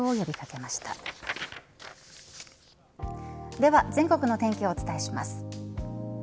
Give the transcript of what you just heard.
では全国の天気をお伝えします。